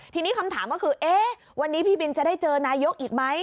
ทีนี้คำถามก็คือเอ๊ะวันนี้พี่บินจะได้เจอนายกอีกไหม